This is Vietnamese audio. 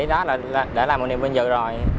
đã làm một niệm vinh dự rồi